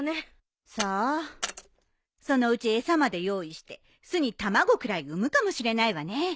さあそのうち餌まで用意して巣に卵くらい産むかもしれないわね。